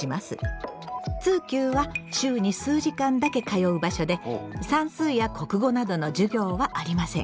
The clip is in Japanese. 通級は週に数時間だけ通う場所で算数や国語などの授業はありません。